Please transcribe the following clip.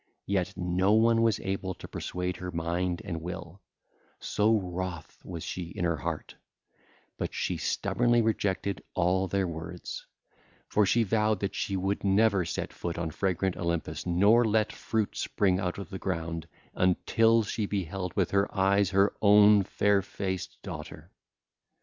Yet no one was able to persuade her mind and will, so wrath was she in her heart; but she stubbornly rejected all their words: for she vowed that she would never set foot on fragrant Olympus nor let fruit spring out of the ground, until she beheld with her eyes her own fair faced daughter.